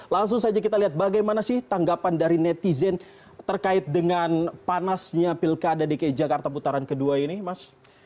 langsung saja kita lihat bagaimana sih tanggapan dari netizen terkait dengan panasnya pilkada dki jakarta putaran kedua ini mas